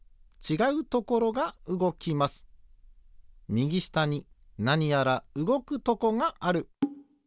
みぎしたになにやらうごくとこがある。